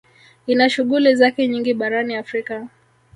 Ina shughuli zake nyingi barani Afrika